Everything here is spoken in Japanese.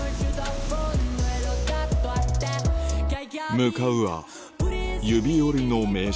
向かうは指折りの名所